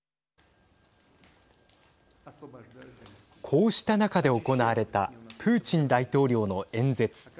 こうした中で行われたプーチン大統領の演説。